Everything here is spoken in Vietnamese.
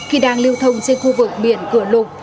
khi đang liêu thông trên khu vực biển gửa lục